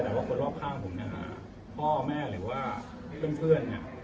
แต่ว่าคนรอบข้างผมเนี่ยพ่อแม่หรือว่าเพื่อนเนี่ย